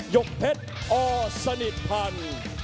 ยกเพชรอสนิทพันธ์